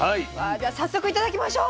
では早速頂きましょう。